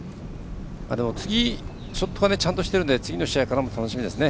ショットはちゃんとしてるので次の試合が楽しみですね。